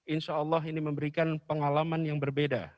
insyaallah ini memberikan pengalaman yang berbeda